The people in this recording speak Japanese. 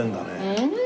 うん！